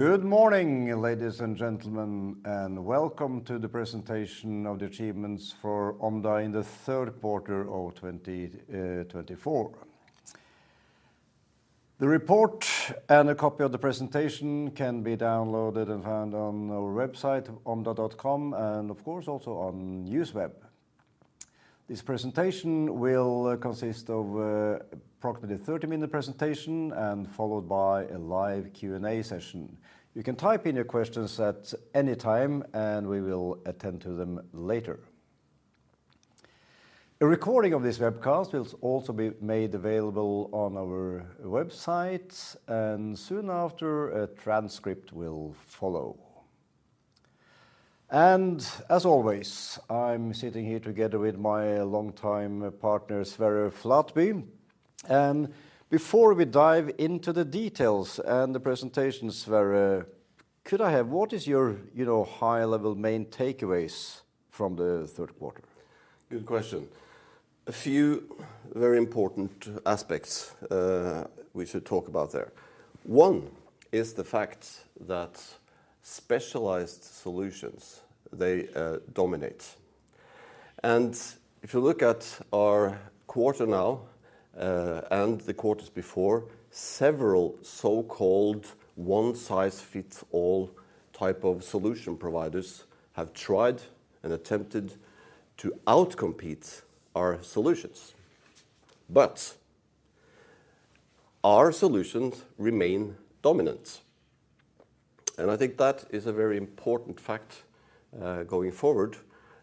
Good morning, ladies and gentlemen, and welcome to the presentation of the achievements for Omda in the third quarter of 2024. The report and a copy of the presentation can be downloaded and found on our website, omda.com, and of course also on Newsweb. This presentation will consist of approximately a 30-minute presentation followed by a live Q and A session. You can type in your questions at any time, and we will attend to them later. A recording of this webcast will also be made available on our website, and soon after a transcript will follow. As always, I'm sitting here together with my longtime partner Sverre Flatby. Before we dive into the details and the presentations, Sverre, could I have what is your high-level main takeaways from the third quarter? Good question. A few very important aspects we should talk about there. One is the fact that specialized solutions they dominate, and if you look at our quarter now and the quarters before, several so-called one-size-fits-all type of solution providers have tried and attempted to outcompete our solutions, but our solutions remain dominant, and I think that is a very important fact. Going forward,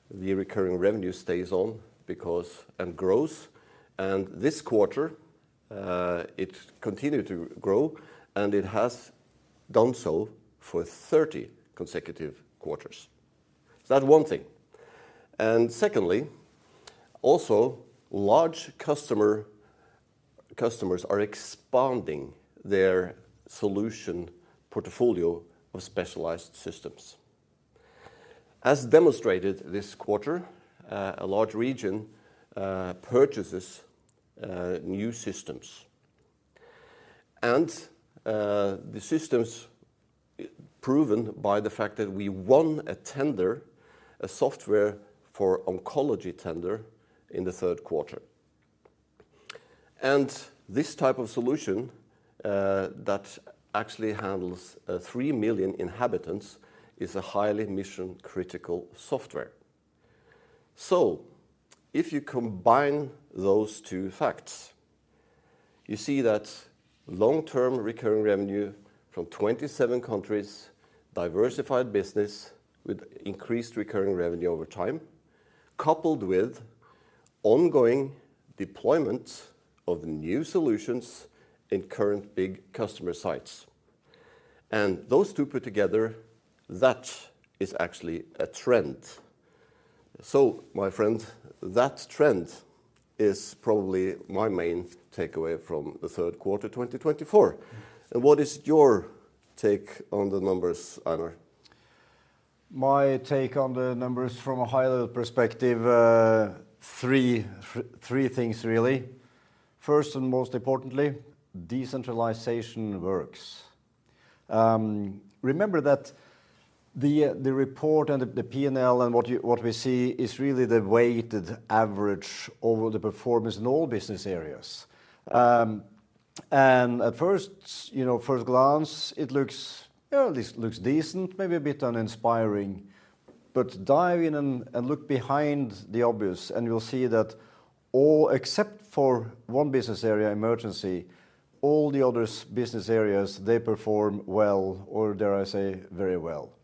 the recurring revenue stays on because and grows. And this quarter it continued to grow, and it has done so for 30 consecutive quarters. That's one thing. And secondly, also large customers are expanding their solution portfolio of specialized systems. As demonstrated this quarter, a large region purchases new systems, and the systems proven by the fact that we won a tender, a software for oncology tender in the third quarter. And this type of solution that actually handles three million inhabitants is a highly mission critical software. So if you combine those two facts you see that long term recurring revenue from 27 countries, diversified business with increased recurring revenue over time, coupled with ongoing deployment of new solutions in current big customer sites and those two put together, that is actually a trend. So my friend, that trend is probably my main takeaway from the third quarter 2024. And what is your take on the numbers, Einar? My take on the numbers from a high level perspective, three things really. First and most importantly decentralization works. Remember that the report and the P&L and what we see is really the weighted average over the performance in all business areas. And at first glance it looks decent, maybe a bit uninspiring. But dive in and look behind the obvious and you'll see that except for one business area, Emergency, all the other business areas they perform well or dare I say very well.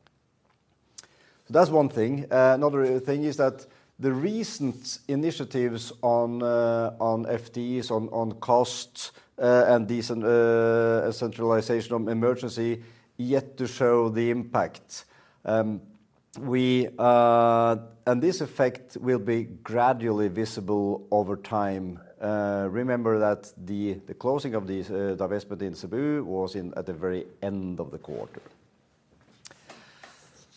That's one thing. Another thing is that the recent initiatives on FTEs on cost and decentralization of Emergency yet to show the impact and this effect will be gradually visible over time. Remember that the closing of the divestment in Cebu was at the very end of the quarter.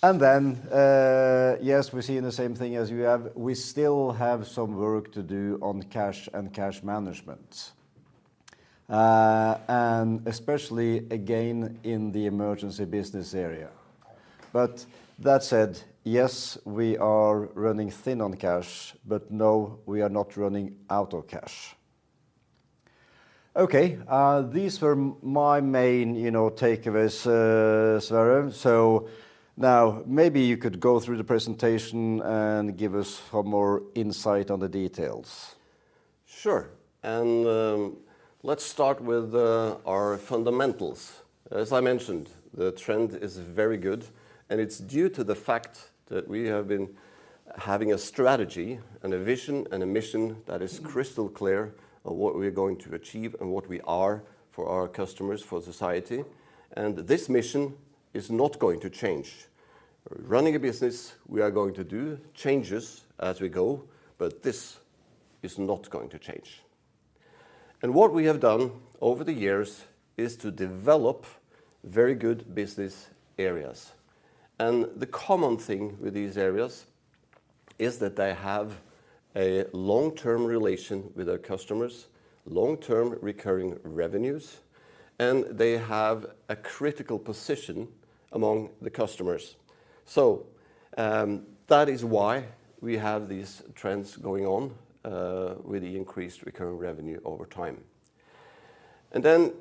And then, yes, we see the same thing as you have. We still have some work to do on cash and cash management and especially again in the Emergency business area. But that said, yes, we are running thin on cash, but no, we are not running out of cash. Okay, these were my main takeaways, Sverre. So now maybe you could go through the presentation and give us some more insight on the details. Sure. And let's start with our fundamentals. As I mentioned, the trend is very good. And it's due to the fact that we have been having a strategy and a vision and a mission that is crystal clear of what we're going to achieve and what we are for our customers, for society. And this mission is not going to change, running a business. We are going to do changes as we go, but this is not going to change. And what we have done over the years is to develop very good business areas. And the common thing with these areas is that they have a long term relation with their customers, long term recurring revenues and they have a critical position among the customers. So that is why we have these trends going on with the increased recurring revenue over time. Then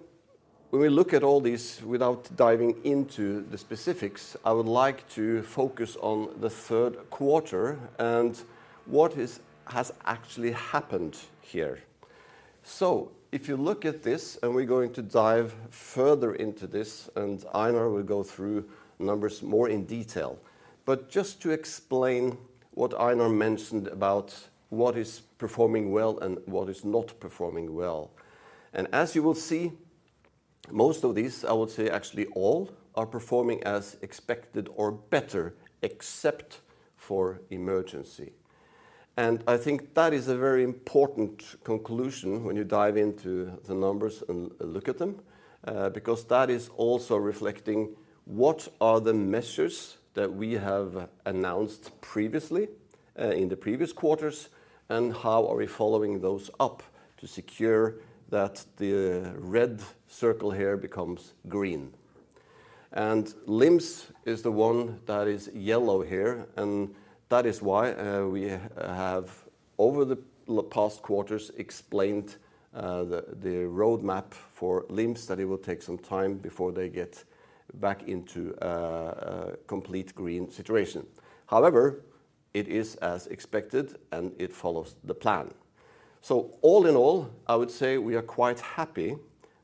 when we look at all these, without diving into the specifics, I would like to focus on the third quarter and what has actually happened here. If you look at this and we're going to dive further into this and Einar will go through numbers more in detail. Just to explain what Einar mentioned about what is performing well and what is not performing well. As you will see, most of these, I would say actually all are performing as expected or better, except for Emergency. And I think that is a very important conclusion when you dive into the numbers and look at them, because that is also reflecting what are the measures that we have announced previously in the previous quarters and how are we following those up to secure that the red circle here becomes green and LIMS is the one that is yellow here. And that is why we have over the past quarters explained the roadmap for LIMS, that it will take some time before they get back into complete green situation. However, it is as expected and it follows the plan. So all in all, I would say we are quite happy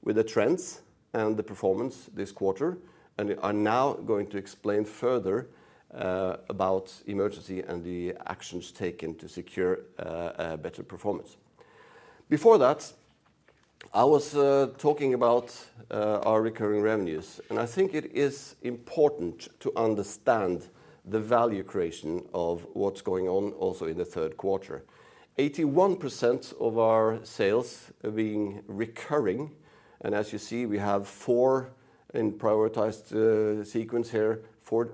with the trends and the performance this quarter. And I'm now going to explain further about Emergency and the actions taken to secure better performance. Before that I was talking about our recurring revenues and I think it is important to understand the value creation of what's going on. Also, in the third quarter, 81% of our sales being recurring, and as you see, we have four in prioritized sequence here, four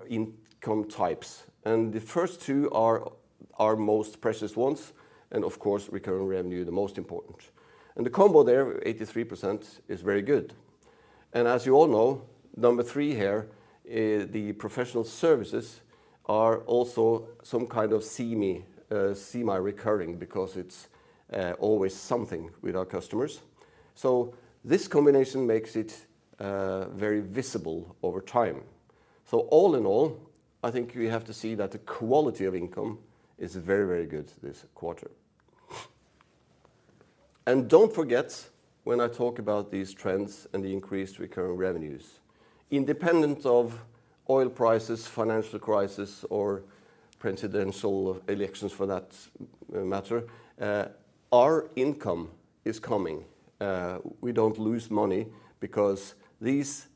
income types, and the first two are our most precious ones, and of course recurring revenue the most important, and the combo there, 83% is very good, and as you all know, number three here, the professional services are also some kind of semi recurring because it's always something with our customers, so this combination makes it very visible over time, so all in all, I think we have to see that the quality of income is very, very good this quarter. And don't forget when I talk about these trends and the increased recurring revenues independent of oil prices, financial crisis or presidential elections for that matter, our income is coming. We don't lose money because these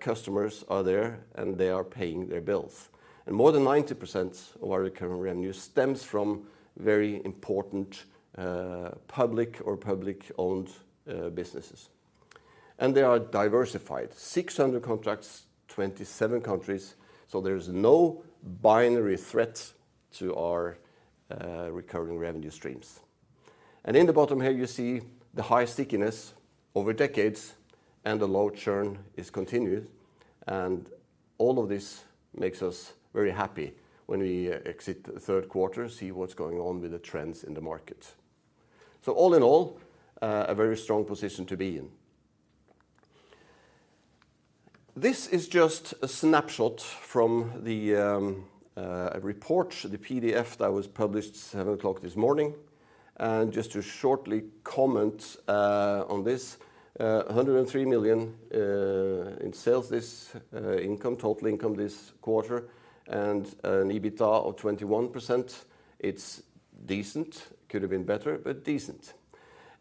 customers are there and they are paying their bills. And more than 90% of our recurring revenue stems from very important public or publicly owned businesses. And they are diversified, 600 contracts, 27 countries. So there is no binary threat to our recurring revenue streams. And in the bottom here you see the high stickiness over decades and the low churn is continued. And all of this makes us very happy when we exit the third quarter, see what's going on with the trends in the market. So all in all a very strong position to be in. This is just a snapshot from the report, the PDF that was published at 7:00 A.M. this morning, and just to shortly comment on this, 103 million in sales, this income, total income this quarter and an EBITDA of 21%. It's decent, could have been better, but decent.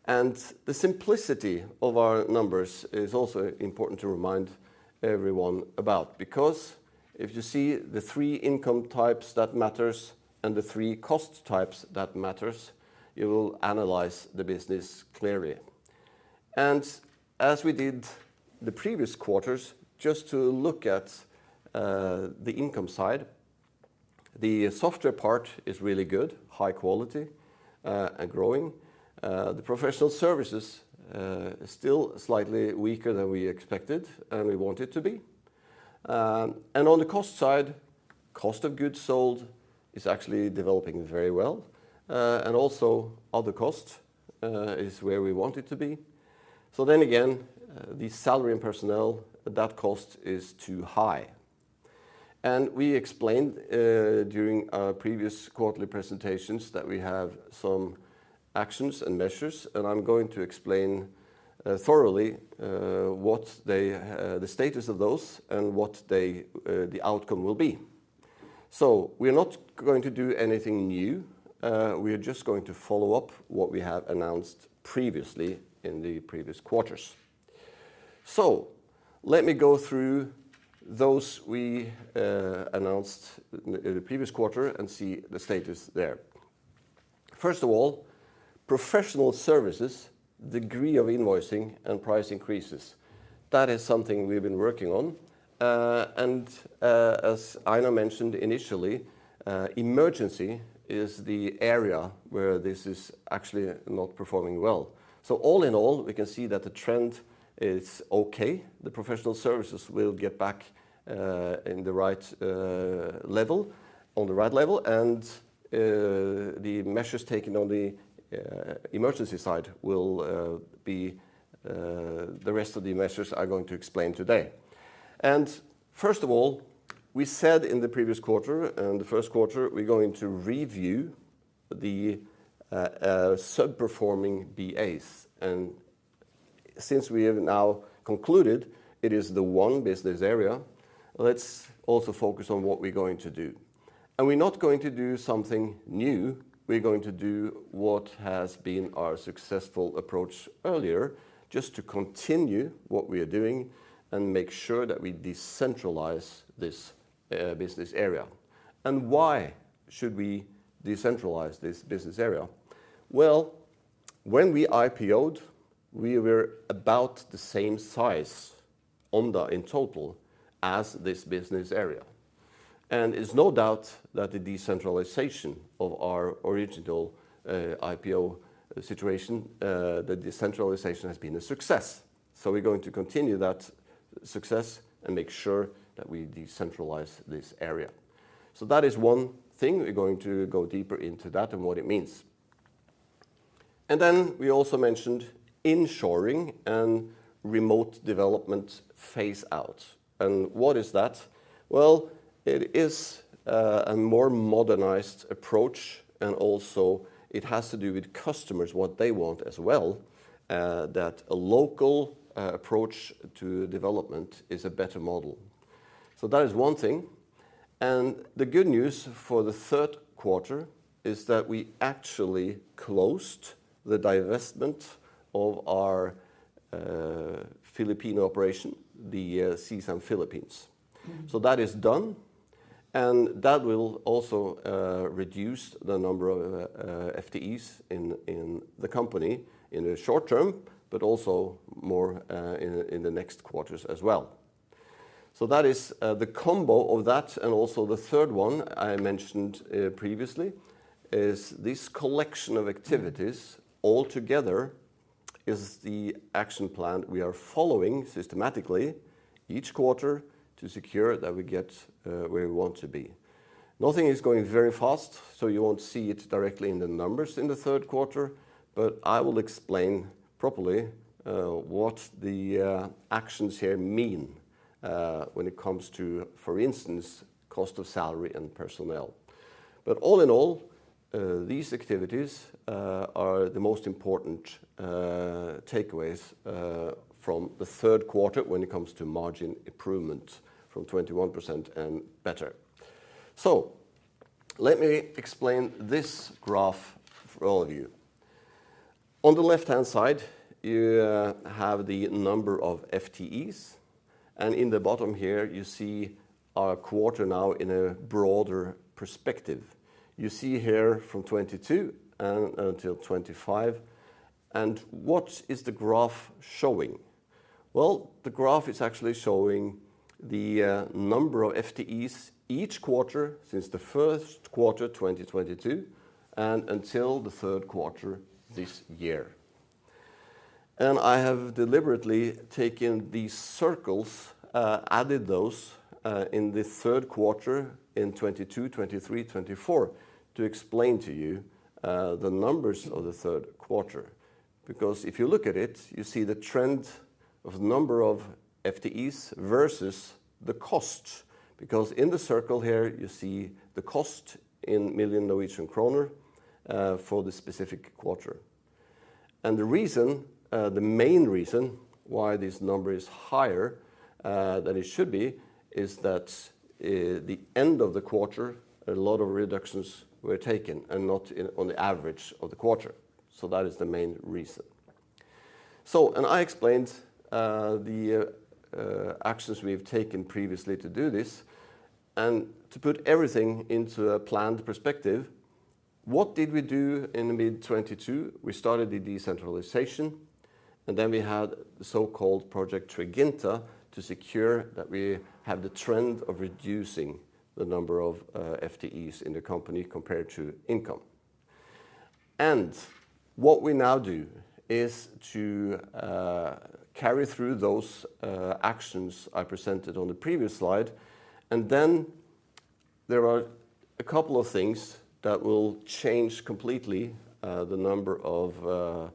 And the simplicity of our numbers is also important to remind everyone about because if you see the three income types that matters and the three cost types that matters, you will analyze the business clearly and as we did the previous quarters, just to look at the income side, the software part is really good, high quality and growing. The professional services still slightly weaker than we expected, and we want it to be. And on the cost side, cost of goods sold is actually developing very well, and also other cost is where we want it to be. Then again, the salary in personnel—that cost is too high. We explained during our previous quarterly presentations that we have seen some actions and measures, and I'm going to explain thoroughly what the status of those and what the outcome will be. We're not going to do anything new. We are just going to follow up what we have announced previously in the previous quarters. Let me go through those. We announced the previous quarter and see the status there. First of all, professional services, degree of invoicing and price increases. That is something we've been working on. And as Einar mentioned initially, Emergency is the area where this is actually not performing well. All in all, we can see that the trend is okay. The professional services will get back in the right level on the right level, and the measures taken on the emergency side will be the rest of the measures I'm going to explain today. First of all, we said in the previous quarter and the first quarter we're going to review the underperforming basically. And since we have now concluded it is the one business area, let's also focus on what we're going to do, and we're not going to do something new. We're going to do what has been our successful approach earlier just to continue what we are doing and make sure that we decentralize this business area. And why should we decentralize this business area? Well, when we IPO'd we were about the same size Omda in total as this business area. It's no doubt that the decentralization of our original IPO situation, the decentralization has been a success. We're going to continue that success and make sure that we decentralize this area. That is one thing. We're going to go deeper into that and what it means. Then we also mentioned outsourcing and remote development phase out. What is that? It is a more modernized approach and also it has to do with customers, what they want as well, that a local approach to development is a better model. That is one thing. The good news for the third quarter is that we actually closed the divestment of our Filipino operation, the CSAM Philippines. That is done. That will also reduce the number of FTEs in the company in the short term, but also more in the next quarters as well. That is the combo of that. The third one I mentioned previously is this collection of activities all together is the action plan we are following systematically each quarter to secure that we get where we want to be. Nothing is going very fast, so you won't see it directly in the numbers in the third quarter. I will explain properly what the actions here mean when it comes to for instance, cost of salary and personnel. All in all, these activities are the most important takeaways from the third quarter when it comes to margin improvement from 21% and better. So, let me explain this graph for all of you. On the left-hand side, you have the number of FTEs, and in the bottom here, you see our quarter. Now, in a broader perspective, you see here from 2022 until 2025, and what is the graph showing? Well, the graph is actually showing the number of FTEs each quarter since the first quarter 2022 and until the third quarter this year, and I have deliberately taken these circles, added those in the third quarter in 2022, 2023, 2024 to explain to you the numbers of the third quarter, because if you look at it, you see the trend of the number of FTEs versus the cost, because in the circle here you see the cost in millions of NOK for the specific quarter. The reason, the main reason why this number is higher than it should be is that the end of the quarter a lot of reductions were taken and not on the average of the quarter. So that is the main reason. So, and I explained the actions we've taken previously to do this and to put everything into a planned perspective. What did we do in mid-2022? We started the decentralization and then we had the so-called Project Triginta to secure that we have the trend of reducing the number of FTEs in the company compared to income. And what we now do is to carry through those actions I presented on the previous slide. And then there are a couple of things that will change completely the number of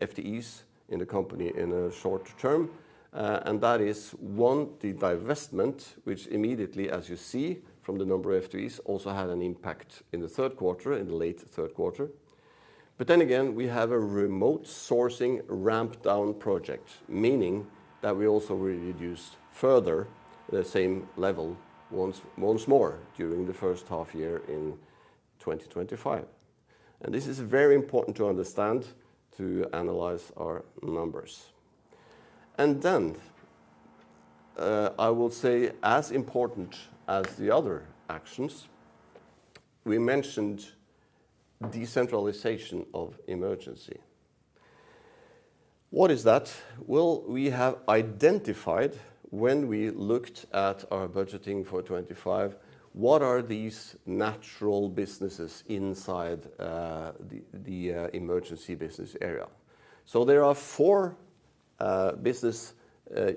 FTEs in the company in a short term. That is one, the divestment, which immediately, as you see from the number of FTEs also had an impact in the third quarter, in the late third quarter. But then again we have a remote sourcing ramp down project, meaning that we also reduced further the same level once more during the first half year in 2025. And this is very important to understand, to analyze our numbers. And then I will say as important as the other actions we mentioned, decentralization of emergency. What is that? Well, we have identified when we looked at our budgeting for 2025, what are these natural businesses inside the emergency business area? So there are four business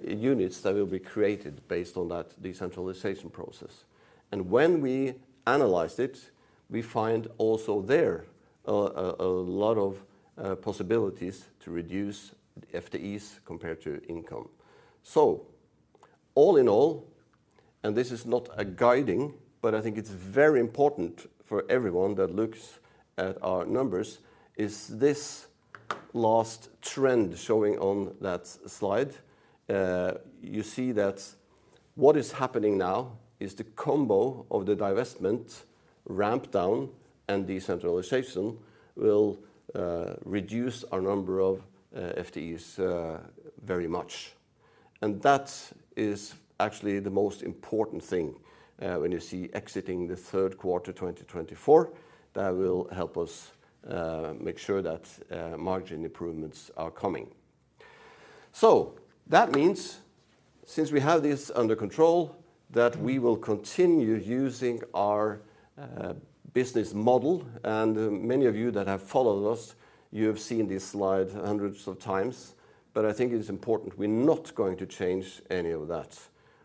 units that will be created based on that decentralization process. And when we analyze it, we find also there a lot of possibilities to reduce FTEs compared to income. So, all in all, and this is not guidance, but I think it's very important for everyone that looks at our numbers is this last trend showing on that slide. You see that what is happening now is the combo of the divestment ramp down and decentralization will reduce our number of FTEs very much. And that is actually the most important thing when you see exiting the third quarter, 2024, that will help us make sure that margin improvements are coming. So that means, since we have this under control, that we will continue using our business model. And many of you that have followed us, you have seen this slide hundreds of times. But I think it's important we're not going to change any of that.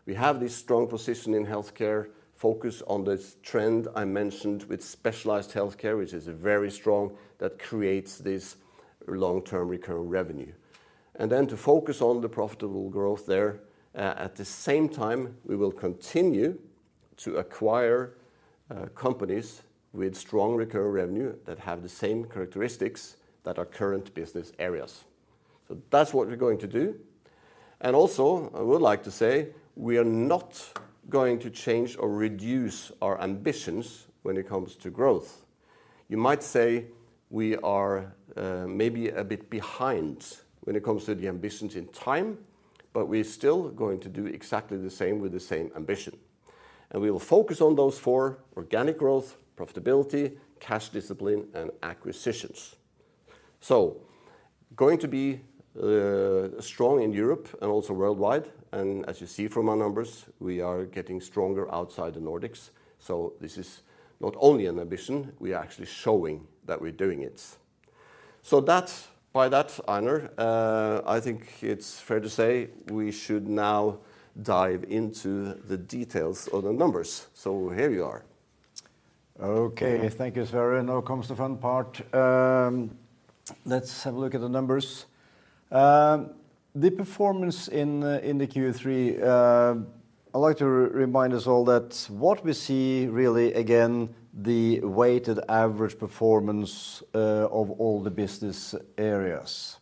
We have this strong position in healthcare, focus on this trend I mentioned with specialized healthcare, which is very strong, that creates this long-term recurring revenue and then to focus on the profitable growth there. At the same time we will continue to acquire companies with strong recurring revenue that have the same characteristics that are current business areas, so that's what we're going to do, and also I would like to say we are not going to change or reduce our ambitions when it comes to growth. You might say we are maybe a bit behind when it comes to the ambitions in time, but we're still going to do exactly the same with the same ambition, and we will focus on those four. Organic growth, profitability, cash discipline and acquisitions, so going to be strong in Europe and also worldwide. As you see from our numbers, we are getting stronger outside the Nordics. This is not only an ambition, we are actually showing that we're doing it. By that Einar, I think it's fair to say we should now dive into the details of the numbers. Here you are. Okay, thank you, Sverre. Now comes the fun part. Let's have a look at the numbers. The performance in the Q3, I'd like to remind us all that what we see really again, the weighted average performance of all the business areas.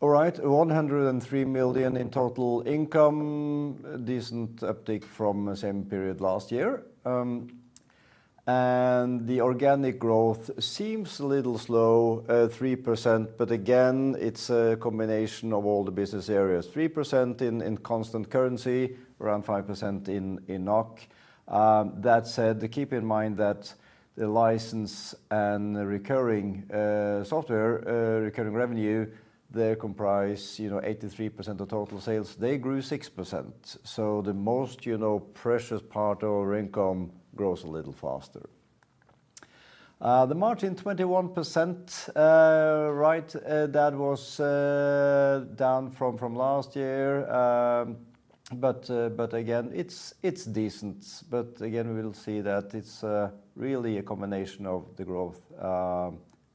All right, 103 million in total income, decent uptick from same period last year. The organic growth seems a little slow, 3%, but again it's a combination of all the business areas. 3% in constant currency, around 5% in NOK. That said, keep in mind that the license and recurring software recurring revenue, they comprise 83% of total sales. They grew 6%. So the most precious part of our income grows a little faster. The margin, 21%. Right. That was down from last year, but again it's decent. But again, we'll see that it's really a combination of the growth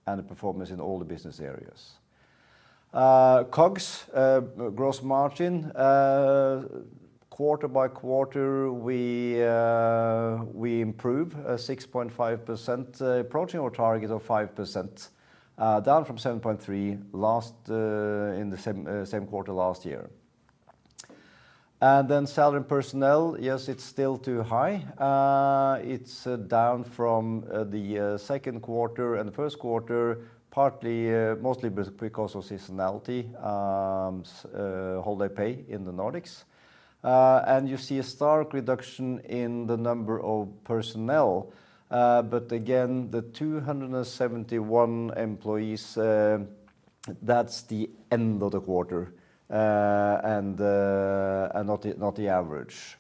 and the performance in all the business areas. COGS, gross margin, quarter by quarter we improve 6.5% approaching our target of 5% down from 7.3% in the same quarter last year. And then salary, personnel. Yes, it's still too high. It's down from the second quarter and first quarter, partly mostly because of seasonality, holiday pay in the Nordics. And you see a stark reduction in the number of personnel. But again, the 271 employees, that's the end of the quarter and not the average.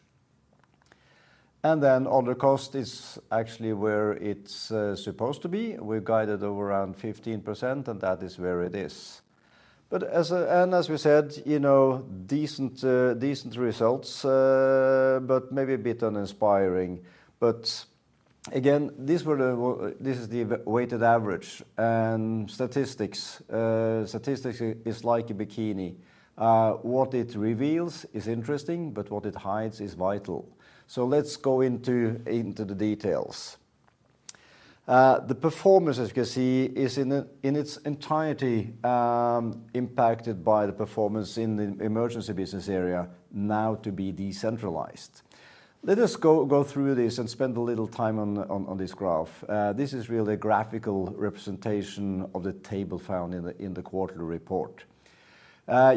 And then under cost is actually where it's supposed to be. We guided to around 15% and that is where it is. But, as we said, you know, decent, decent results, but maybe a bit uninspiring. But again, this is the weighted average. And statistics, statistics is like a bikini. What it reveals is interesting, but what it hides is vital. So let's go into the details. The performance, as you can see, is in its entirety impacted by the performance in the emergency business area. Now to be decentralized, let us go through this and spend a little time on this graph. This is really a graphical representation of the table found in the quarterly report.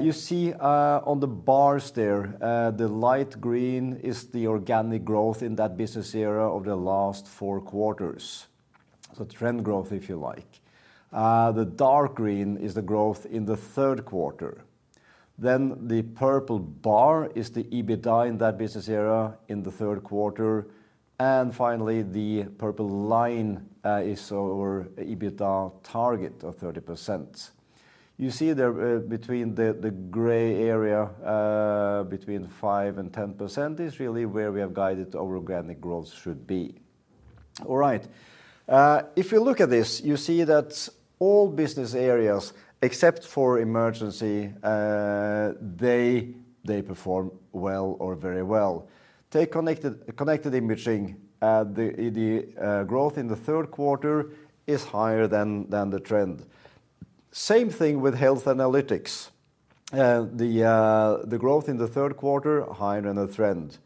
You see on the bars there, the light green is the organic growth in that business area of the last four quarters. So trend growth if you like. The dark green is the growth in the third quarter. Then the purple bar is the EBITDA in that business area in the third quarter. And finally the purple line is our EBITDA target of 30%. You see there between the gray area between 5%-10% is really where we have guided our organic growth should be, alright. If you look at this, you see that all business areas, except for Emergency, they perform well or very well. Take Connected Imaging. The growth in the third quarter is higher than the trend. Same thing with Health Analytics. The growth in the third quarter, higher than the trend.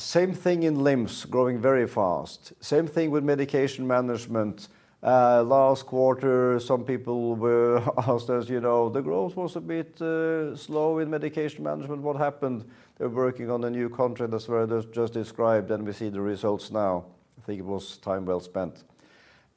Same thing in LIMS growing very fast. Same thing with Medication Management. Last quarter some people were asked, as you know, the growth was a bit slow in Medication Management. What happened? They're working on a new contract. That's where I just described and we see the results now. I think it was time well spent.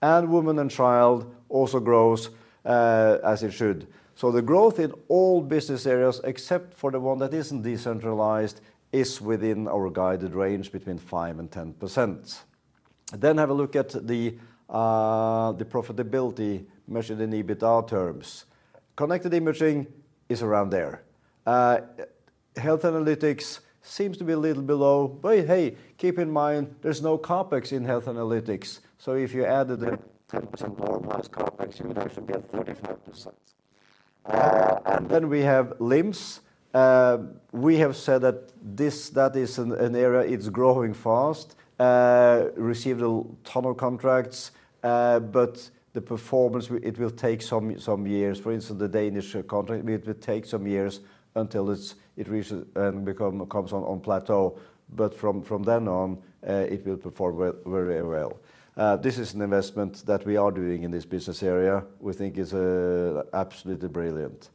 Woman & Child also grows as it should. So the growth in all business areas, except for the one that isn't decentralized, is within our guided range between 5%-10%. Then have a look at the profitability measured in EBITDA terms. Connected Imaging is around there. Health Analytics seems to be a little below. But hey, keep in mind there's no CapEx in Health Analytics. So if you added 10% normalized CapEx, you would actually be at 35%. Then we have LIMS. We have said that that is an area; it's growing fast, received a ton of contracts. But the performance, it will take some years. For instance, the Danish contract, it would take some years until it reaches and becomes on plateau. But from then on it will perform very well. This is an investment that we are doing in this business area we think is absolutely brilliant.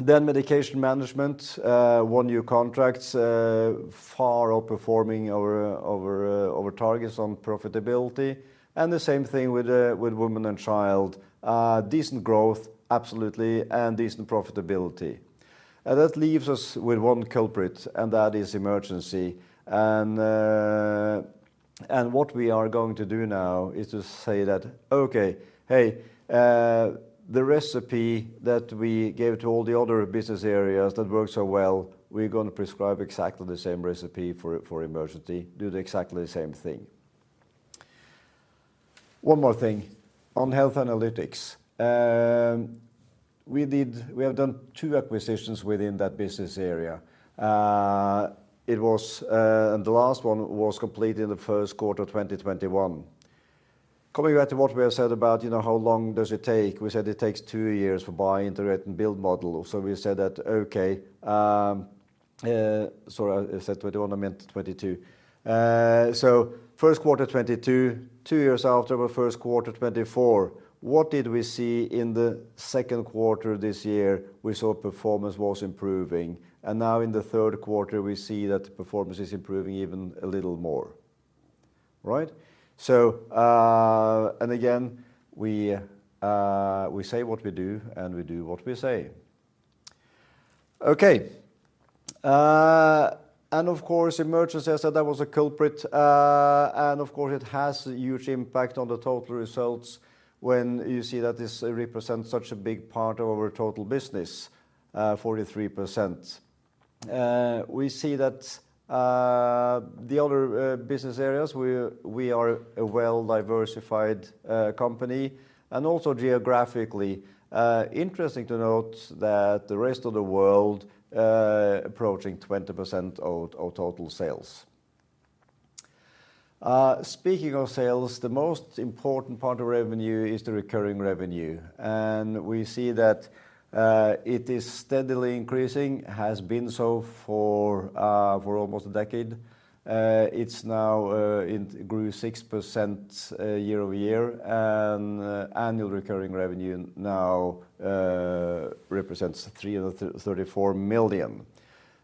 Then, Medication Management: one new contract far outperforming our targets on profitability. And the same thing with Women & Child: decent growth. Absolutely. And decent profitability. That leaves us with one culprit, and that is Emergency. And what we are going to do now is to say that, okay, hey, the recipe that we gave to all the other business areas that work so well. We're going to prescribe exactly the same recipe for Emergency. Do exactly the same thing. One more thing. On Health Analytics, we have done two acquisitions within that business area. It was. And the last one was completed in the first quarter 2021. Coming back to what we have said about, you know, how long does it take? We said it takes two years for buy-and-build model. So we said that. Okay, sorry I said 21, I meant 22. First quarter 2022. Two years after the first quarter 2024. What did we see in the second quarter this year? We saw performance was improving, and now in the third quarter we see that performance is improving even a little more. Right. And again we say what we do and we do what we say. Okay, and of course Emergency, I said that was a culprit. And of course it has a huge impact on the total results. When you see that this represents such a big part of our total business, 43%. We see that the other business areas, we are a well diversified company. And also geographically interesting to note that the rest of the world approaching 20% of total sales. Speaking of sales, the most important part of revenue is the recurring revenue, and we see that it is steadily increasing. Has been so for almost a decade. It now grew 6% year over year. And annual recurring revenue now represents 334 million.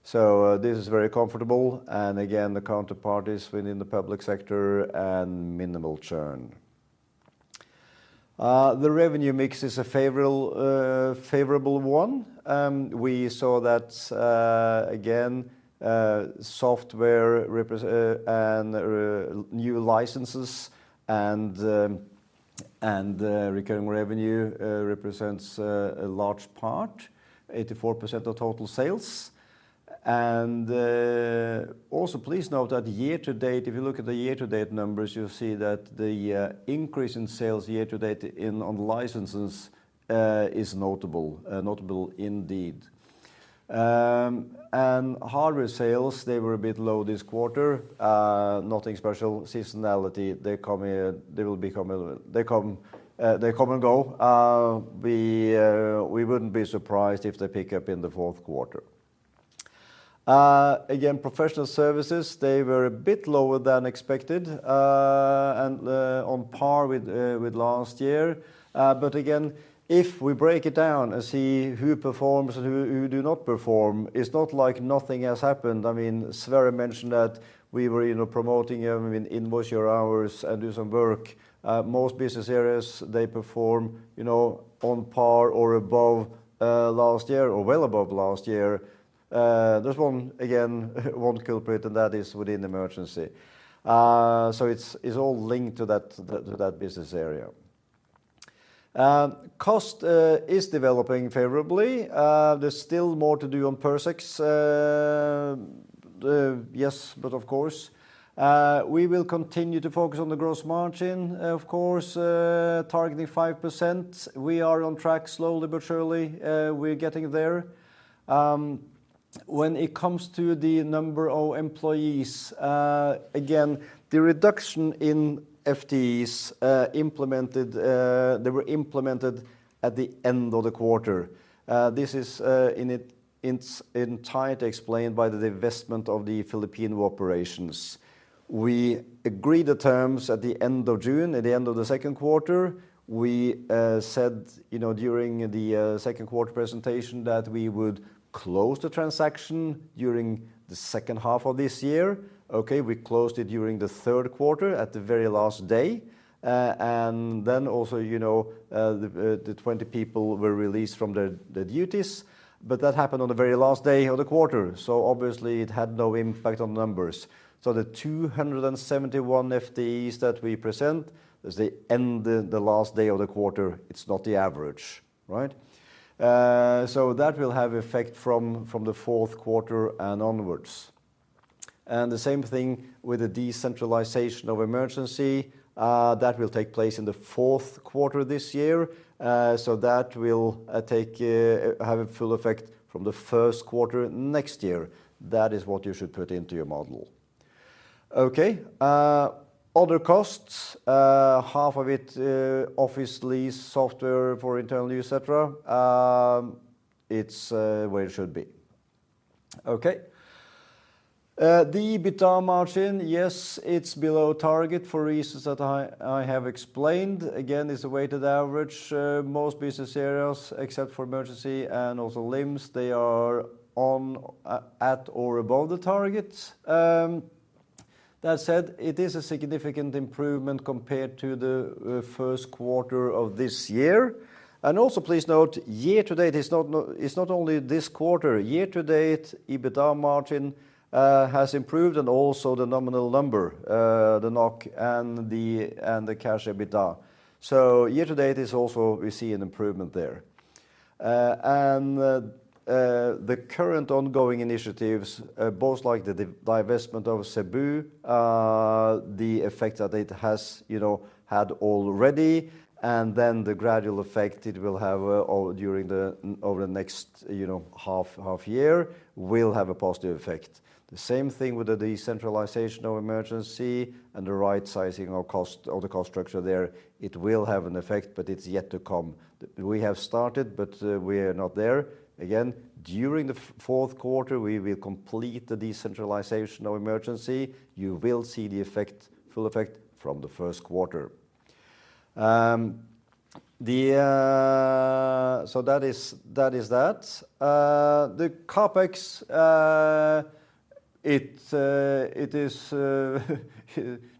So this is very comfortable. And again the counterparties within the public sector and minimal churn. The revenue mix is a favorable one. We saw that again, software and new licenses and recurring revenue represents a large part 84% of total sales. And also please note that year to date, if you look at the year to date numbers, you see that the increase in sales year to date on licenses is notable. Notable indeed. And hardware sales, they were a bit low this quarter. Nothing special, seasonality, they come in, they come and go. We wouldn't be surprised if they pick up in the fourth quarter again, professional services, they were a bit lower than expected and on par with last year. But again, if we break it down and see who performs and who do not perform, it's not like nothing has happened. I mean, Sverre mentioned that we were promoting them. Invoice your hours and do some work. Most business areas, they perform on par or above last year or well above last year. There's again one culprit, and that is within Emergency. So it's all linked to that business area. Cost is developing favorably. There's still more to do on OPEX. Yes, but of course we will continue to focus on the gross margin. Of course, targeting 5%. We are on track. Slowly but surely we're getting there. When it comes to the number of employees, again, the reduction in FTEs implemented, they were implemented at the end of the quarter. This is entirely explained by the divestment of the Filipino operations. We agreed the terms at the end of June, at the end of the second quarter. We said during the second quarter presentation that we would close the transaction during the second half of this year. We closed it during the third quarter, at the very last day, and then also the 20 people were released from their duties, but that happened on the very last day of the quarter, so obviously it had no impact on numbers, so the 271 FTEs that we present as at the end of the last day of the quarter, it's not the average. Right, so that will have effect from the fourth quarter and onwards, and the same thing with the decentralization of emergency, that will take place in the fourth quarter this year, so that will have a full effect from the first quarter next year. That is what you should put into your model. Okay. Other costs, half of it. Office lease, software for internal use. It's where it should be. Okay. The EBITDA margin, yes, it's below target, for reasons that I have explained. Again, is a weighted average. Most business areas, except for Emergency and also LIMS, they are on at or above the target. That said, it is a significant improvement compared to the first quarter of this year. And also, please note, year to date, it's not only this quarter. Year to date, EBITDA margin has improved. And also the nominal number, the NOK and the. And the cash EBITDA. So year to date is also, we see an improvement there. And the current ongoing initiatives, both like the divestment of Cebu, the effect that it has, you know, had already, and then the gradual effect it will have during the. Over the next, you know, half year will have a positive effect. The same thing with the decentralization of Emergency and the right sizing of the cost structure. There it will have an effect, but it's yet to come. We have started but we are not there again. During the fourth quarter we will complete the decentralization of Emergency. You will see the effect, full effect from the first quarter. So that is that the CapEx. It is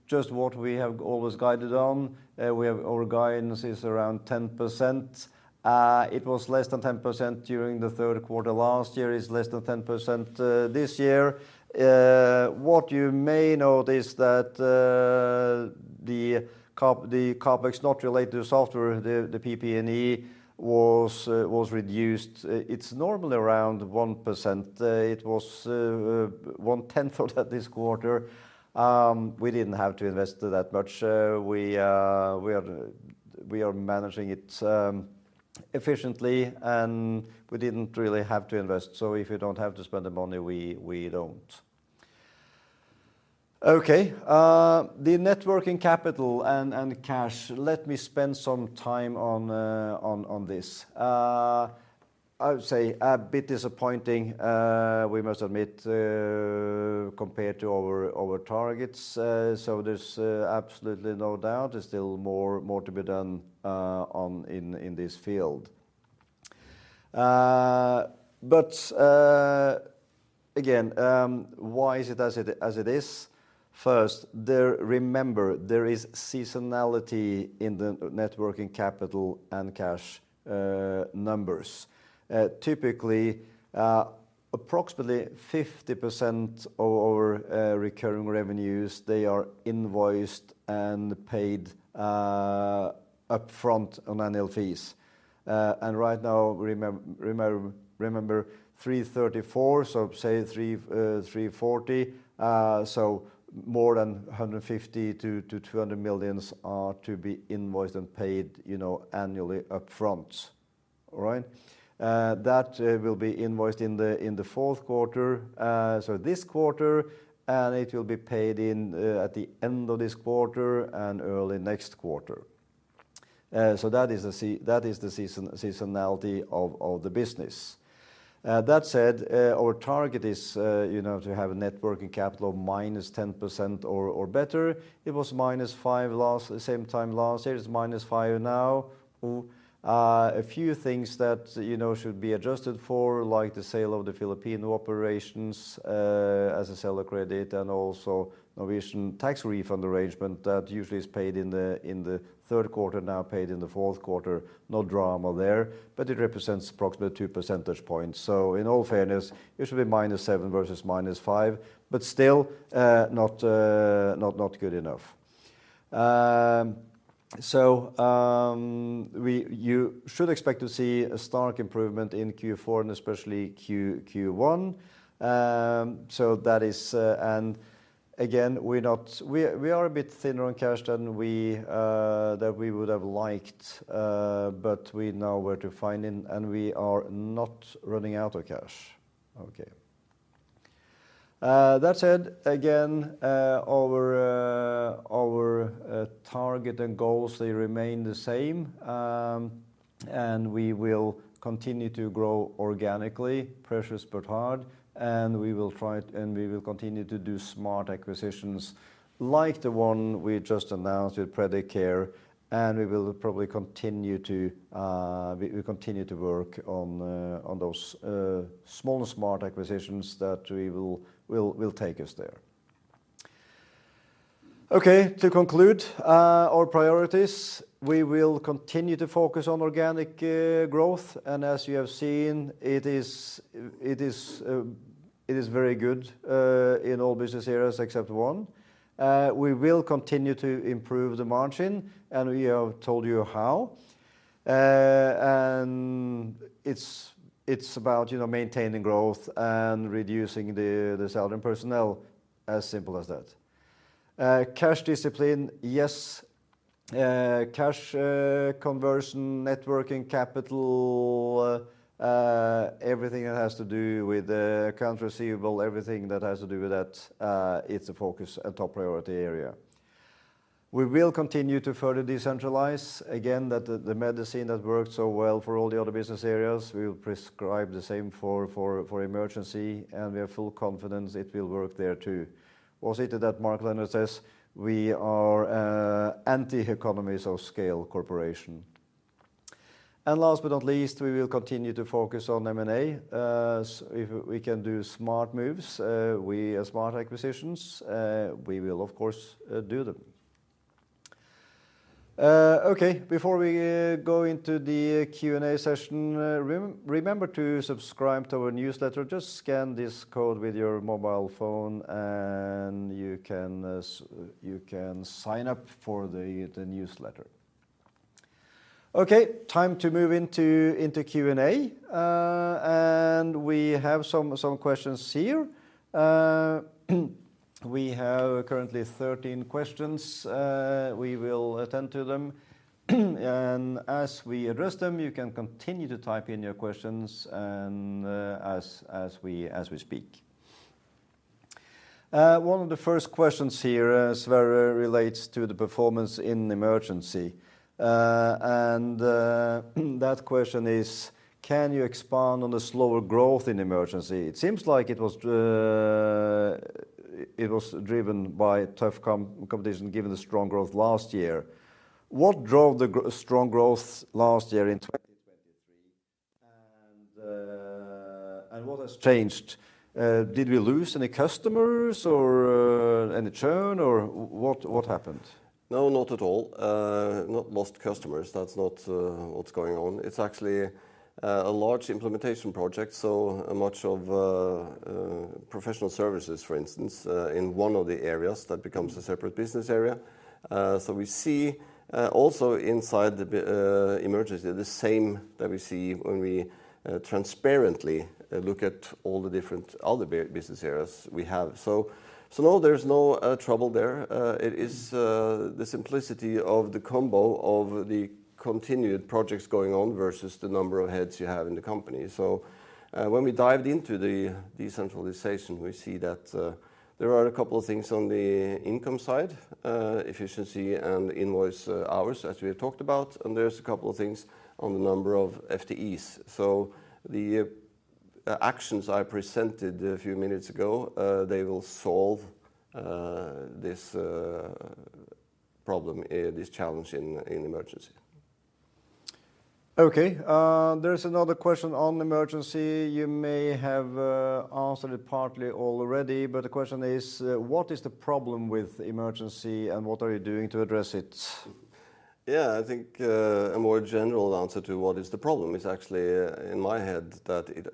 just what we have always guided on. Our guidance is around 10%. It was less than 10% during the third quarter last year. It is less than 10% this year. What you may notice that the CapEx not related to software, the PP&E was reduced. It's normally around 1%. It was 1/10 of that this quarter. We didn't have to invest that much. We are managing it efficiently and we didn't really have to invest, so if you don't have to spend the money, we don't. Okay. The net working capital and cash. Let me spend some time on this. I would say a bit disappointing we must admit compared to our targets, so there's absolutely no doubt there's still more to be done in this field, but again, why is it as it is? First remember there is seasonality in the net working capital and cash numbers. Typically approximately 50% of our recurring revenues. They are invoiced and paid upfront on annual fees, and right now remember 334, so say 3, 340, so more than 150-200 million are to be invoiced and paid, you know, annually upfront. All right. That will be invoiced in the fourth quarter. This quarter and it will be paid in at the end of this quarter and early next quarter. That is the seasonality of the business. That said, our target is to have a net working capital -10% or better. It was -5% at the same time last year. It is -5% now. A few things that should be adjusted for like the sale of the Filipino operations as a seller credit and also Norwegian tax refund arrangement that usually is paid in the third quarter. Now paid in the fourth quarter. No drama there, but it represents approximately 2 percentage points. So in all fairness it should be -7% versus -5% but still not good enough. You should expect to see a stark improvement in Q4 and especially Q1. That is. And again we are not. We are a bit thinner on cash than we would have liked, but we know where to find it and we are not running out of cash. Okay. That said, again, our target and goals, they remain the same and we will continue to grow organically, precisely. But hard. And we will try. And we will continue to do smart acquisitions like the one we just announced with Predicare. And we will probably continue to work on those small smart acquisitions that will take us there. Okay. To conclude, our priorities: we will continue to focus on organic growth and, as you have seen, it is very good in all business areas except one. We will continue to improve the margin and we have told you how. And it's about maintaining growth and reducing the salary personnel. As simple as that. Cash discipline. Yes, cash conversion, net working capital. Everything that has to do with the accounts receivable. Everything that has to do with that. It's a focus, a top priority area. We will continue to further decentralize. Again, the medicine that worked so well for all the other business areas. We will prescribe the same for emergency and we have full confidence it will work there too. Was it that Mark Leonard says we are anti-economies of scale corporation. Last but not least, we will continue to focus on M&A. If we can do smart moves, we make smart acquisitions, we will of course do them. Okay, before we go into the Q and A session, room, remember to subscribe to our newsletter. Just scan this code with your mobile phone and you can sign up for the newsletter. Okay, time to move into Q and A, and we have some questions here. We have currently 13 questions. We will attend to them, and as we address them, you can continue to type in your questions as we speak. One of the first questions here, Sverre, relates to the performance in emergency. And that question is: Can you expand on the slower growth in emergency? It seems like it was driven by tough competition given the strong growth last year. What drove the strong growth last year in 2023? And what has changed? Did we lose any customers or any churn, or what happened? No, not at all. Not lost customers. That's not what's going on. It's actually a large implementation project. So much of professional services, for instance, in one of the areas that becomes a separate business area. So we see also inside the Emergency the same that we see when we transparently look at all the different other business areas we have. So no, there's no trouble there. It is the simplicity of the combo of the continued projects going on versus the number of heads you have in the company. So when we dived into the decentralization, we see that there are a couple of things on the income side, efficiency and invoice hours, as we have talked about, and there's a couple of things on the number of FTEs. So the actions I presented a few minutes ago, they will solve this problem, this challenge in Emergency. Okay, there's another question on Emergency. You may have answered it partly already, but the question is, what is the problem with Emergency and what are you doing to address it? Yeah, I think a more general answer to what is the problem is actually in my head that it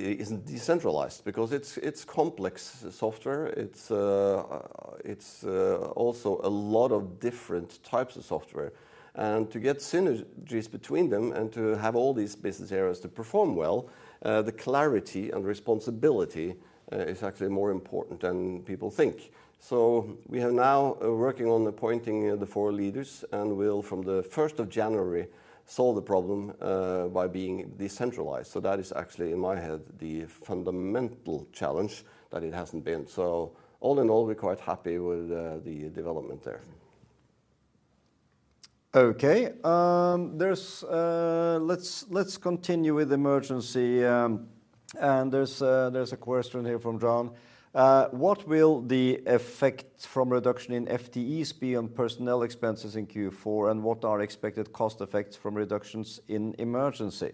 isn't decentralized because it's complex software. It's also a lot of different types of software, and to get between them and to have all these business areas to perform well, the clarity and responsibility is actually more important than people think, so we are now working on appointing the four leaders and will from the 1st of January solve the problem by being decentralized, so that is actually in my head, the fundamental challenge that it hasn't been, so all in all, we're quite happy with the development there. Okay, let's continue with Emergency. And there's a question here from John. What will the effect from reduction in FTEs be on personnel expenses in Q4 and what are expected cost effects from reductions in Emergency?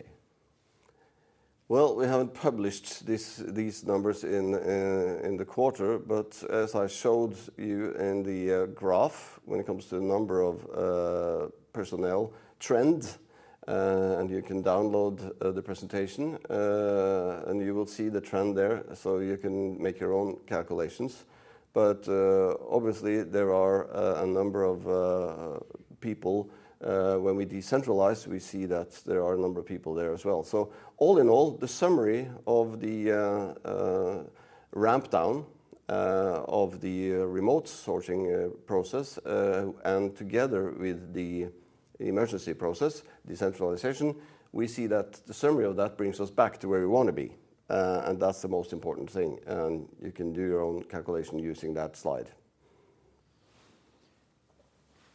We haven't published these numbers in the quarter, but as I showed you in the graph, when it comes to the number of personnel trend, and you can download the presentation and you will see the trend there, so you can make your own calculations. But obviously there are a number of people. When we decentralize, we see that there are a number of people there as well, so all in all, the summary of the ramp down, of the remote sorting process and together with the emergency process decentralization, we see that the summary of that brings us back to where we want to be and that's the most important thing, and you can do your own calculation using that slide.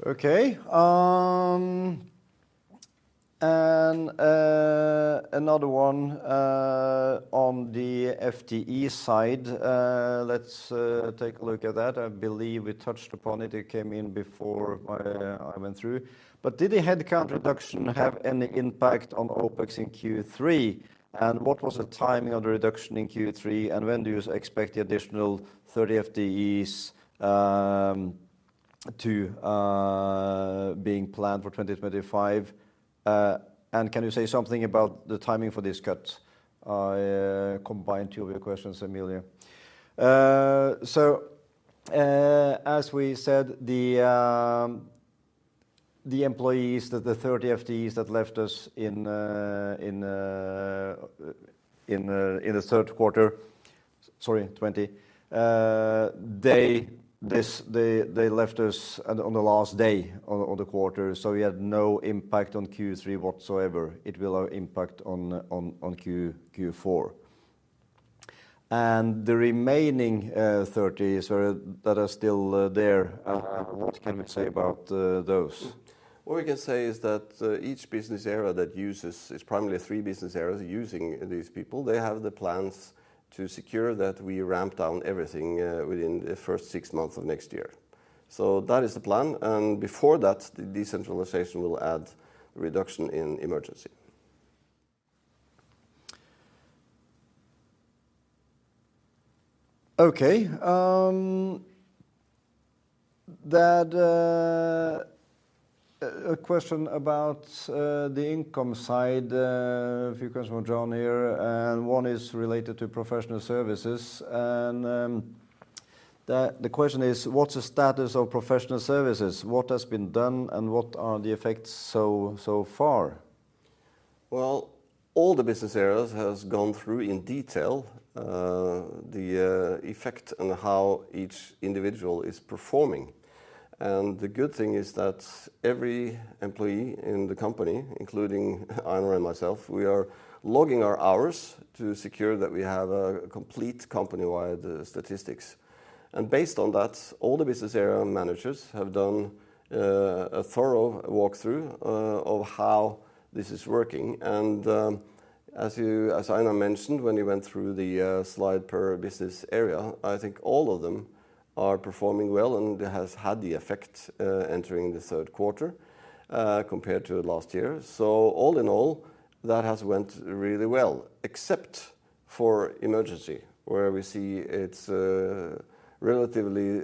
Okay, and another one on the FTE side. Let's take a look at that. I believe we touched upon it. It came in before I went through, but did the headcount reduction have any impact on OpEx in Q3? And what was the timing of the reduction in Q3? And when do you expect the additional 30 FTEs to begin planned for 2025? And can you say something about the timing for these cuts? I combined two of your questions, Emilio. So as we said, the employees, the 30 FTEs that left us in the third quarter, sorry, 20. They left us on the last day of the quarter. So we had no impact on Q3 whatsoever. It will have impact on Q4 and the remaining 30 that are still there. What can we say about those? What we can say is that each business area that uses is primarily three business areas using these people. They have the plans to secure that we ramp down everything within the first six months of next year. So that is the plan, and before that the decentralization will add reduction in Emergency. Okay, that's a question about the income side. A few questions from John here and one is related to professional services and the question is what's the status of professional services, what has been done and what are the effects so far? All the business areas have gone through in detail the effect on how each individual is performing, and the good thing is that every employee in the company, including Einar and myself, we are logging our hours to secure that we have a complete company wide statistics. And based on that all the business area managers have done a thorough walkthrough of how this is working, and as Einar mentioned when you went through the slide per business area, I think all of them are performing well and has had the effect entering the third quarter compared to last year. So all in all that has went really well except for Emergency where we see it's relatively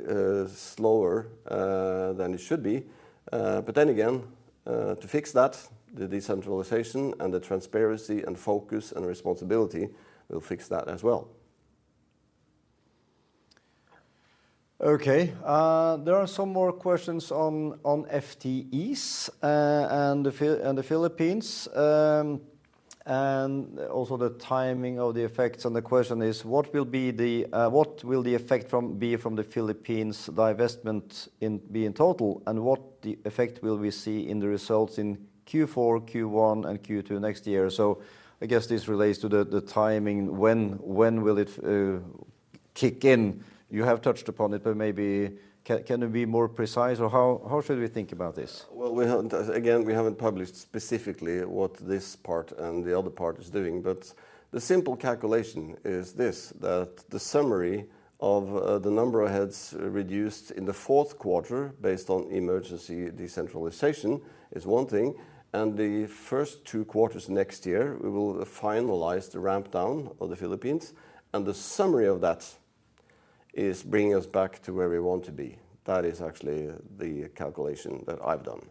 slower than it should be, but then again to fix that the decentralization and the transparency and focus and responsibility will fix that as well. Okay, there are some more questions on FTEs and the Philippines and also the timing of the effects, and the question is what will the effect be from the Philippines divestment be in total and what the effect will we see in the results in Q4, Q1 and Q2 next year, so I guess this relates to the timing. When will it kick in? You have touched upon it, but maybe can it be more precise or how should we think about this? Again, we haven't published specifically what this part and the other part is doing. But the simple calculation is this: that the summary of the number of heads reduced in the fourth quarter based on emergency decentralization is one thing, and the first two quarters next year we will finalize the ramp down of the Philippines, and the summary of that is bringing us back to where we want to be. That is actually the calculation that I've done.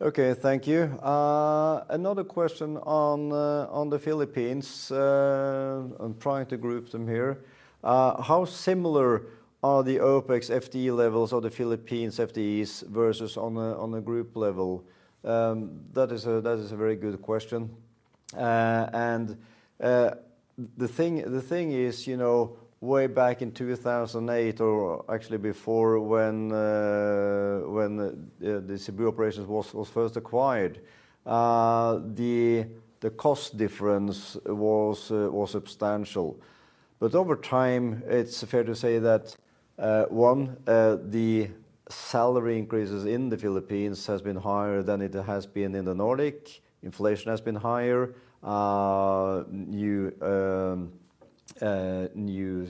Okay, thank you. Another question on the Philippines. I'm trying to group them here. How similar are the OPEX FTE levels of the Philippines FTEs versus on a group level? That is a very good question. And the thing is, you know, way back in 2008 or actually before when the Cebu operations was first acquired, the cost difference was substantial. But over time it's fair to say that one, the salary increases in the Philippines has been higher than it has been in the Nordic. Inflation has been higher. New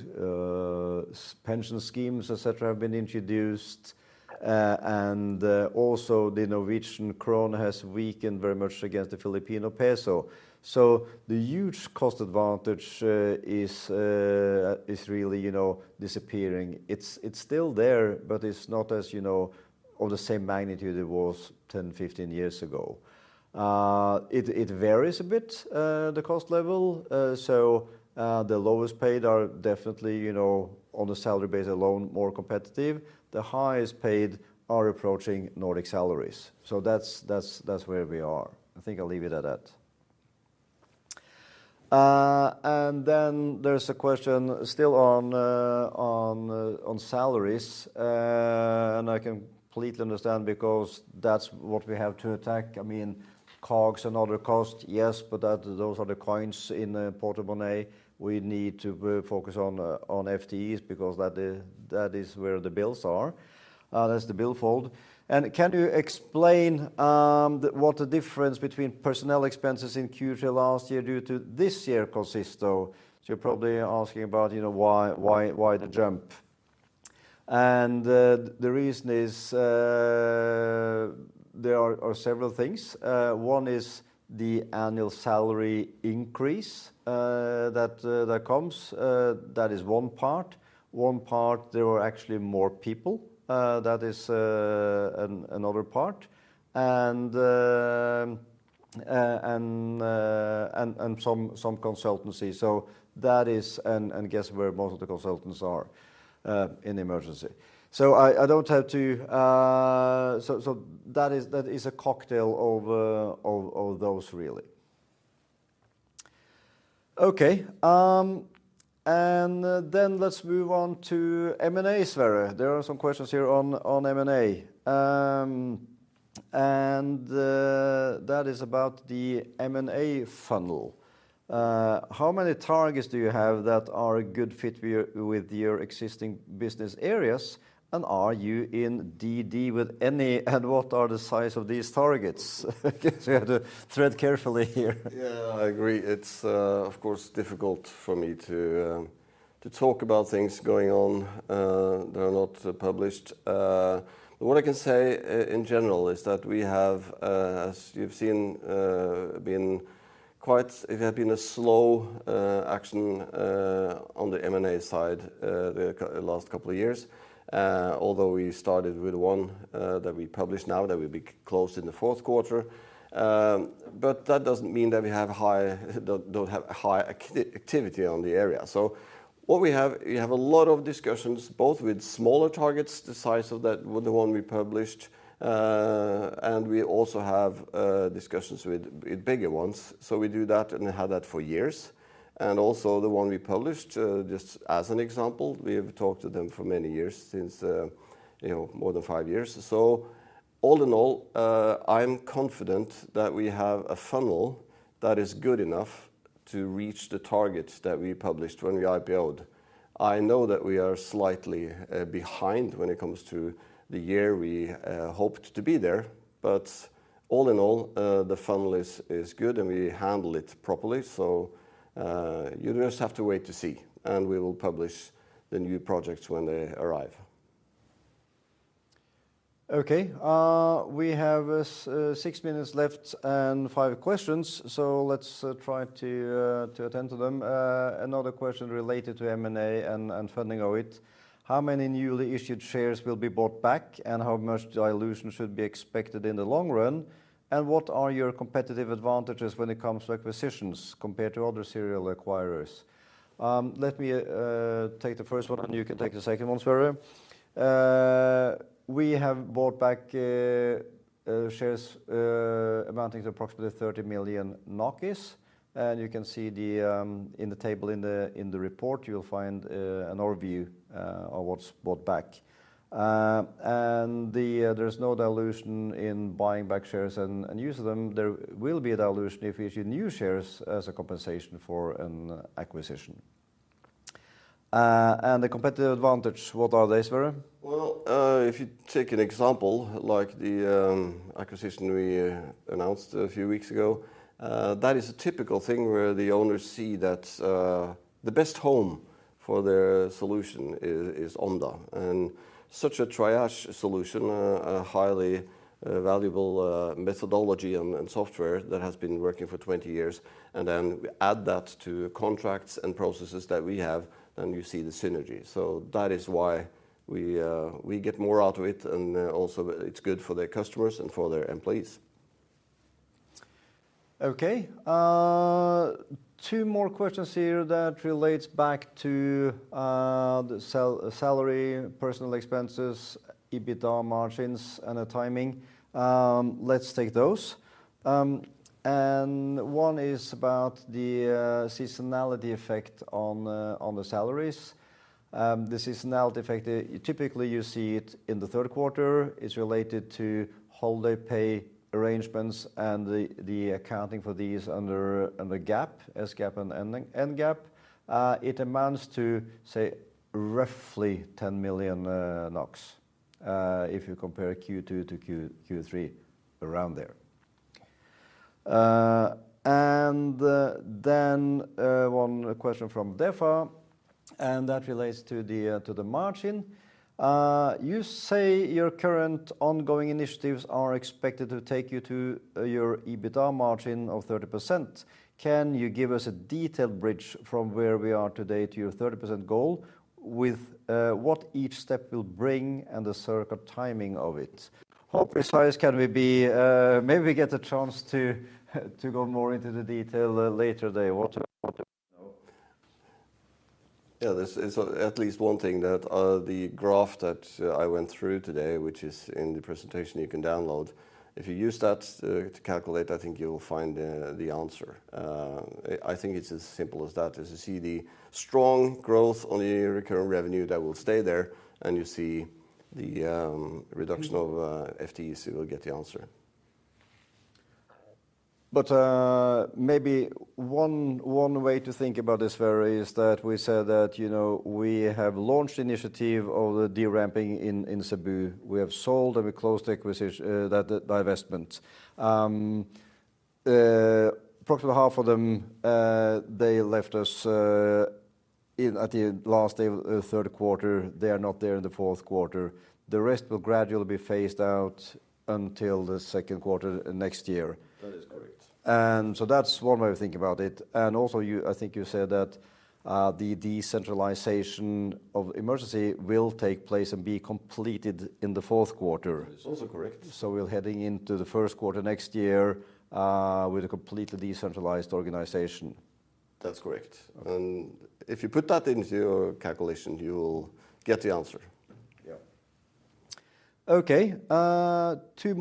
pension schemes, etc., have been introduced. And also the Norwegian krone has weakened very much against the Filipino peso. So the huge cost advantage is really, you know, disappearing. It's still there, but it's not, as you know, of the same magnitude it was 10, 15 years ago. It varies a bit, the cost level. So the lowest paid are definitely, you know, on the salary base alone, more competitive. The highest paid are approaching Nordic salaries. So that's where we are. I think I'll leave it at that. And then there's a question still on salaries, and I completely understand, because that's what we have to attack. I mean, COGS and other costs. Yes, but those are the coins in the pot of money. We need to focus on FTEs, because that is where the bills are. That's the bulk of. And can you explain what the difference between personnel expenses in Q3 last year to this year consists of? You're probably asking about, you know, why the jump. And the reason is there are several things. One is the annual salary increase that comes. That is one part. There are actually more people. That is another part. And some consultancy. That is. And guess where most of the consultants are in Emergency, so I don't have to. That is a cocktail of those, really. Okay, and then let's move on to M&A. Sverre, there are some questions here on M&A, and that is about the M&A funnel. How many targets do you have that are a good fit with your existing business areas? And are you in DD with any? And what are the size of these targets? So you have to tread carefully here. Yeah, I agree. It's of course difficult for me to talk about things going on that are not published. What I can say in general is that we have, as you've seen, it had been a slow action on the M&A side the last couple of years. Although we started with one that we published now that will be closed in the fourth quarter, but that doesn't mean that we don't have high activity on the area. So we have a lot of discussions both with smaller targets, the size of the one we published, and we also have discussions with bigger ones. So we do that and have that for years. And also the one we published, just as an example, we have talked to them for many years, since more than five years. So all in all, I'm confident that we have a funnel that is good enough to reach the target that we published when we IPO'd. I know that we are slightly behind when it comes to the year we hoped to be there, but all in all the funnel is good and we handle it properly, so you just have to wait to see, and we will publish the new projects when they arrive. Okay, we have six minutes left and five questions, so let's try to attend to them. Another question related to M&A and funding it. How many newly issued shares will be bought back and how much dilution should be expected in the long run? And what are your competitive advantages when it comes to acquisitions compared to other serial acquirers? Let me take the first one and you can take the second one, Sverre. We have bought back shares amounting to approximately 30 million NOK. And you can see in the table in the report, you'll find an overview of what's bought back. And there's no dilution in buying back shares and use them. There will be a dilution if we issue new shares as a compensation for an acquisition. And the competitive advantage. What are they, Sverre? Well, if you take an example, like the acquisition we announced a few weeks ago, that is a typical thing where the owners see that the best home for their solution is Omda and such a triage solution, a highly valuable methodology and software that has been working for 20 years. And then we add that to contracts and processes that we have. Then you see the synergy. So that is why we get more out of it. And also it's good for their customers and for their employees. Okay, two more questions here that relates back to the salary, personal expenses, EBITDA margins and the timing. Let's take those. One is about the seasonality effect on the salaries. The seasonality effect, typically you see it in the third quarter, is related to holiday pay arrangements. The accounting for these under GAAP, SGAAP and NGAAP, it amounts to, say, roughly 10 million NOK. If you compare Q2 to Q3, Q3 around there. Then one question from DEFA, and that relates to the margin you say your current ongoing initiatives are expected to take you to your EBITDA margin of 30%. Can you give us a detailed bridge from where we are today to your 30% goal with what each step will bring and the certain timing of it, how precise can we be? Maybe we get a chance to go more into the detail later. Yeah, this is at least one thing that the graph that I went through today, which is in the presentation you can download. If you use that to calculate, I think you'll find the answer. I think it's as simple as that, as you see the strong growth on the recurring revenue that will stay there and you see the reduction of FTEs, you will get the answer. But maybe one way to think about this year is that we said that, you know, we have launched initiative of the ramping in Cebu. We have sold and we closed acquisition that divestment. Approximately half of them, they left us at the last third quarter. They are not there in the fourth quarter. The rest will gradually be phased out until the second quarter next year. That is correct. And so that's one way of thinking about it. And also I think you said that the decentralization of Emergency will take place and be completed in the fourth quarter. So we're heading into the first quarter next year with a completely decentralized organization. That's correct, and if you put that into your calculation, you will get the answer. Okay, two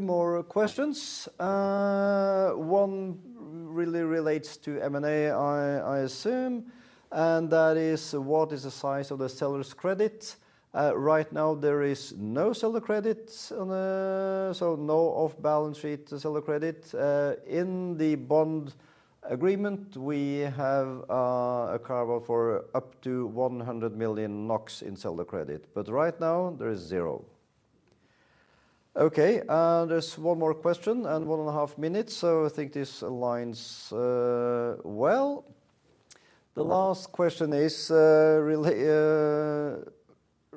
more questions. One really relates to M&A, I assume, and that is what is the size of the seller's credit? Right now there is no seller credit, so no off balance sheet seller credit. In the bond agreement we have a carve-out for up to 100 million NOK in seller credit. But right now there is zero. Okay, there's one more question and one and a half minutes. So I think this aligns well, the last question is a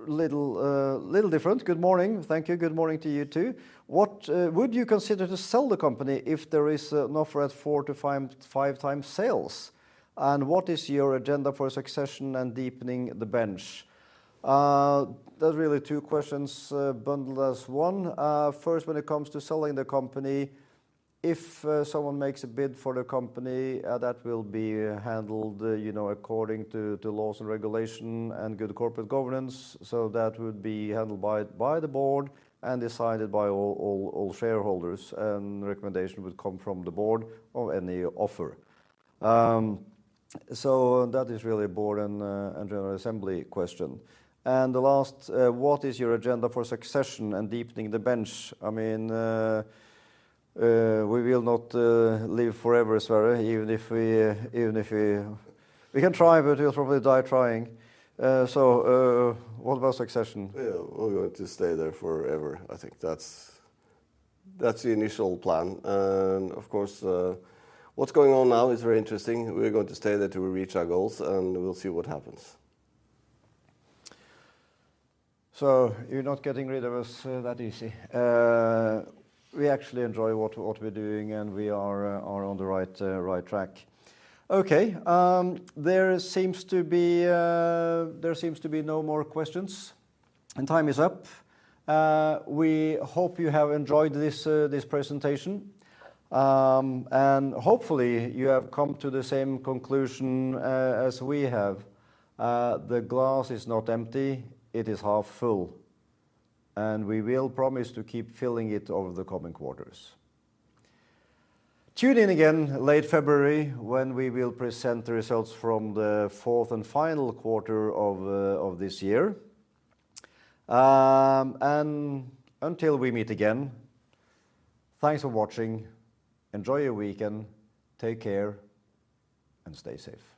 little different. Good morning. Thank you. Good morning to you too. What would you consider to sell the company if there is an offer at four to five times sales? And what is your agenda for succession and deepening the bench? There's really two questions bundled as one. First, when it comes to selling the company, if someone makes a bid for the company, that will be handled according to laws and regulation and good corporate governance. So that would be handled by the board and decided by all shareholders and recommendation would come from the board of any offer. So that is really a board and general assembly question. And the last, what is your agenda for succession and deepening the bench? I mean we will not live forever, Sverre, even if we. We can try, but we'll probably die trying. So what about succession? We're going to stay there forever. I think that's the initial plan and of course what's going on now is very interesting. We're going to stay there to reach our goals and we'll see what happens. So you're not getting rid of us that easy. We actually enjoy what we're doing and we are on the right track. Okay, there seems to be no more questions and time is up. We hope you have enjoyed this presentation and hopefully you have come to the same conclusion as we have. The glass is not empty. It is half full. And we will promise to keep filling it over the coming quarters. Tune in again late February, when we will present the results from the fourth and final quarter of this year. And until we meet again, thanks for watching. Enjoy your weekend. Take care and stay safe.